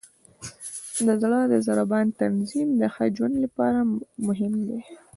د زړه د ضربان تنظیم د ښه ژوند لپاره مهم دی.